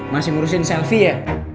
masih ngurusin selfie ya